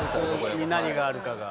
何があるかが。